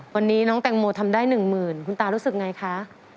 วันนี้น้องแต่งโหมทำได้๑๐๐๐๐บาทคุณตารู้สึกอย่างไรคะ